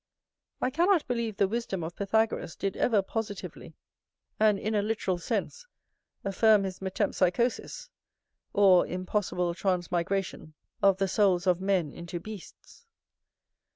I cannot believe the wisdom of Pythagoras did ever positively, and in a literal sense, affirm his metempsychosis, or impossible transmigration of the souls of men into beasts.